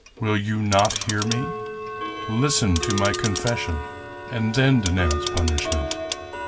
Will you not hear me? Listen to my con fession, and then denounce punishment.